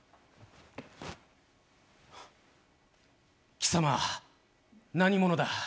貴様、何者だ？